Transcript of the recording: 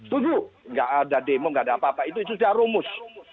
tuju gak ada demo gak ada apa apa itu sudah rumus